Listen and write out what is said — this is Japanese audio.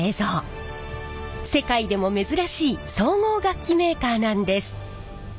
世界でも珍しい総合楽器メーカーなんです。